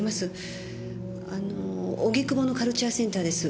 あの荻窪のカルチャーセンターです。